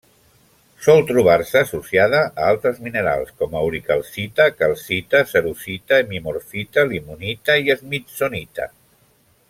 Sol trobar-se associada a altres minerals com: auricalcita, calcita, cerussita, hemimorfita, limonita i smithsonita.